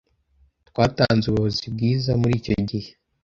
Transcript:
Twatanze ubuyobozi bwiza muri icyo gihe